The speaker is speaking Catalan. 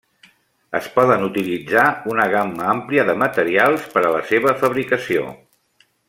Es poden utilitzar una gamma àmplia de materials per a la seva fabricació.